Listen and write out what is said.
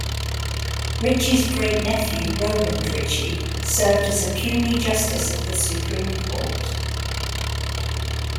Ritchie's great-nephew, Roland Ritchie, served as a puisne justice of the Supreme Court.